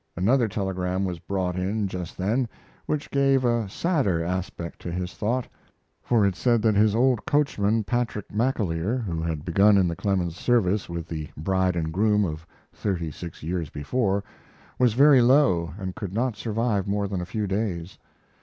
Another telegram was brought in just then, which gave a sadder aspect to his thought, for it said that his old coachman, Patrick McAleer, who had begun in the Clemens service with the bride and groom of thirty six years before, was very low, and could not survive more than a few days.